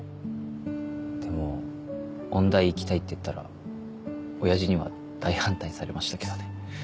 でも音大行きたいって言ったら親父には大反対されましたけどね。